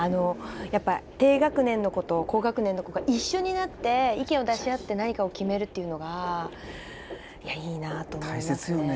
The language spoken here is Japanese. やっぱ低学年の子と高学年の子が一緒になって意見を出し合って何かを決めるっていうのがいいなと思いますね。